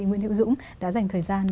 nguyễn hữu dũng đã dành thời gian